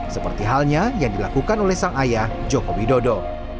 seperti halnya yang dilakukan oleh sang ayah joko widodo